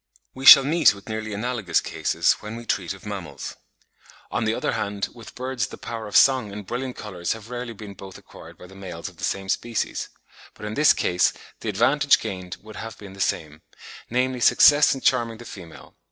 We shall meet with nearly analogous cases when we treat of mammals. On the other hand, with birds the power of song and brilliant colours have rarely been both acquired by the males of the same species; but in this case the advantage gained would have been the same, namely success in charming the female.